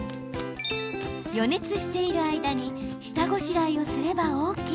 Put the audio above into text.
予熱している間に下ごしらえをすればＯＫ。